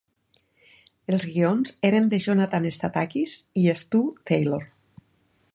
Els guions eren de Jonathan Stathakis i Stu Taylor.